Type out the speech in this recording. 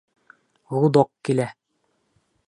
Гудок килә!